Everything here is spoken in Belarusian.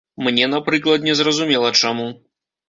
Мне, напрыклад, незразумела чаму.